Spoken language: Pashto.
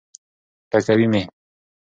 ټکوي مي.